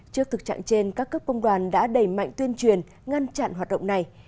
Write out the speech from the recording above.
trước thực trạng trên các cấp công đoàn đã đẩy mạnh tuyên truyền ngăn chặn hoạt động này